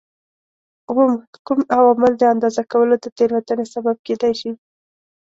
اووم: کوم عوامل د اندازه کولو د تېروتنې سبب کېدای شي؟